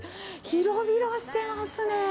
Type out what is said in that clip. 広々してますね。